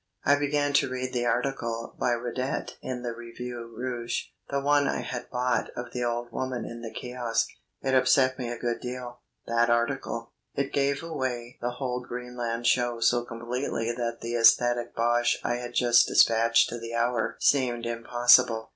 I began to read the article by Radet in the Revue Rouge the one I had bought of the old woman in the kiosque. It upset me a good deal that article. It gave away the whole Greenland show so completely that the ecstatic bosh I had just despatched to the Hour seemed impossible.